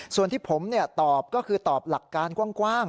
ส่วนที่ผมตอบก็คือตอบหลักการกว้าง